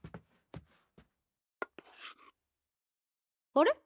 あれ？